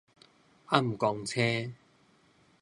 暗光星